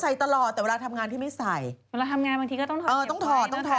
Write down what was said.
ที่บอกว่าคุณเสิร์ฟที่ไหวซึ่งใส่แหวนแต่งงาน